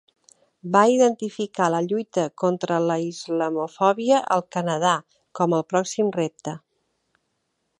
Va identificar la lluita contra la islamofòbia al Canadà com el pròxim repte.